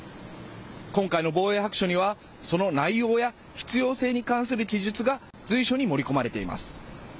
今回の防衛白書にはその内容や必要性に関する記述が随所に盛り込まれています。